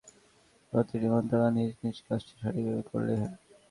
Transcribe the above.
প্রতিবন্ধীদের বিষয়টি মাথায় রেখে প্রতিটি মন্ত্রণালয় নিজ নিজ কাজটি সঠিকভাবে করলেই হয়।